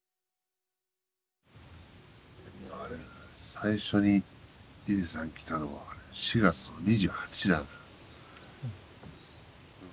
最初に伊勢さん来たのは４月の２８だな。